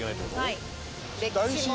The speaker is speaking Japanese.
はい。